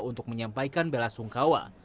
untuk menyampaikan bela sungkawa